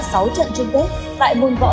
cả sáu trận chung kết tại môn võ